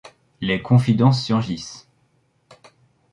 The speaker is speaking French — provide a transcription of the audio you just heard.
Les confidences surgissent.